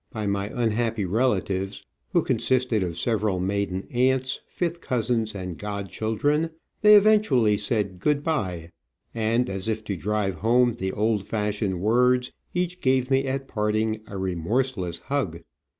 by my unhappy relatives, who consisted of several maiden aunts, fifth cousins, and godchildren, they eventually said '' Good bye," and, as if to drive home the old fashioned words, each gave me at parting a remorseless hug.